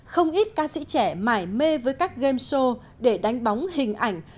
không ít ca sĩ trẻ mải mê với các game show để đánh bóng hình ảnh